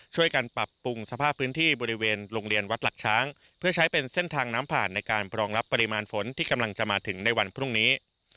ช่วยกันปรับปรุงสภาพพื้นที่บริเวณโรงเรียนวัดหลักช้างเพื่อใช้เป็นเส้นทางน้ำผ่านในการปรองรับปริมาณฝนที่กำลังจะมาถึงในวันพรุ่งนี้